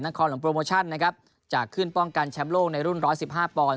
นักคอลงโปรโมชั่นจะขึ้นป้องกันแชมป์โลกในรุ่น๑๑๕ปอนด์